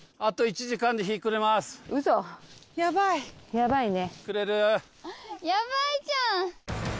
ヤバイね。